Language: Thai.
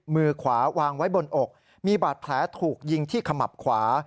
มือขวาวางไว้บนอกมีบาดแผลถูกยิงที่ขมับขวา